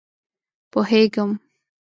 _پوهېږم.